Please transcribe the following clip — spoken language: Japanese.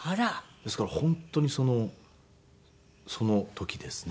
ですから本当にその時ですね。